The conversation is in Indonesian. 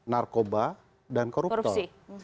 narkoba dan korupsi